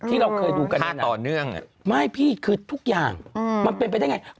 ที่เราเคยดูกันเนี่ยนะไม่พี่คือทุกอย่างมันเป็นไปได้ยังไง